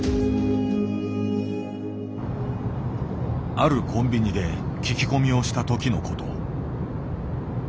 あるコンビニで聞き込みをした時のこと。